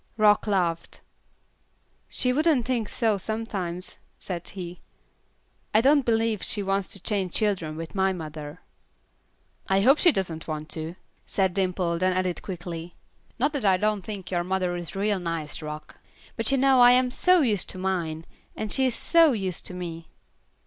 Rock laughed. "She wouldn't think so sometimes," said he. "I don't believe she wants to change children with my mother." "I hope she doesn't want to," said Dimple, then added quickly, "Not that I don't think your mother is real nice, Rock, but you know I am so used to mine, and she is so used to me."